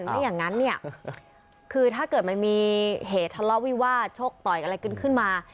ไม่อย่างนั้นเนี่ยคือถ้าเกิดมันมีเหตุทะเลาะวิวาสชกต่อยอะไรกันขึ้นมา